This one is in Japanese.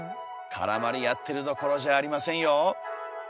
絡まり合ってるどころじゃありませんよ。